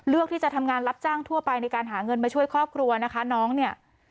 ที่จะทำงานรับจ้างทั่วไปในการหาเงินมาช่วยครอบครัวนะคะน้องเนี่ย